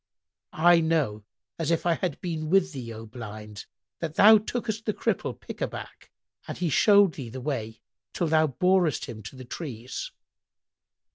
I know, as if I had been with thee, O Blind, that thou tookest the Cripple pick a back, and he showed thee the way till thou borest him to the trees."